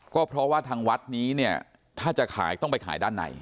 ก็เพราะว่าทางวัดนี้เนี่ยถ้าจะขายต้องไปขายด้านใน